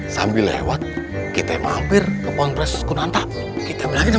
sambil lewat kita mampir ke pond pres kunanta kita lagi